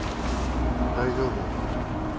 大丈夫？